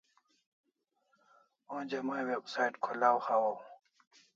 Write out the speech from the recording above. Onja mai website kholaw hawaw